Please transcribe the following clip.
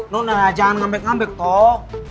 non jangan ngambek ngambek toh